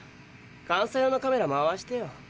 監査用のカメラ回してよ。